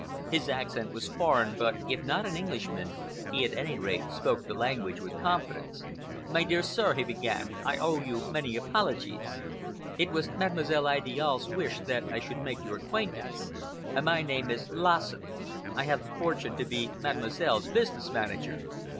His accent was foreign, but, if not an Englishman, he at any rate spoke the language with confidence. "My dear sir," he began, "I owe you many apologies. It was Mademoiselle Idiale's wish that I should make your acquaintance. My name is Lassen. I have the fortune to be Mademoiselle's business manager.